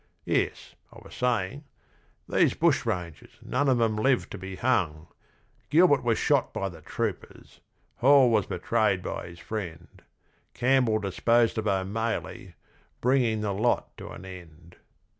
Yes, I was saying, these bushrangers, none of 'em lived to be hung, Gilbert was shot by the troopers, Hall was betrayed by his friend, Campbell disposed of O'Maley, bringing the lot to an end.